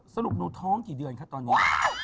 สรุปหนูท้องกี่เดือนคะตอนนี้